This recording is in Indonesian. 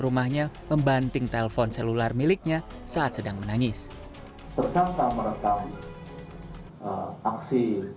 rumahnya membanting telpon selular miliknya saat sedang menangis tersangka merekam aksi